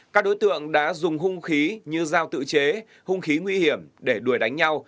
các đối tượng đã dùng hùng khí như dao tự chế hùng khí nguy hiểm để đuổi đánh nhau